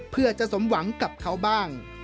เพื่อจะสมหวังกับเขาบ้าง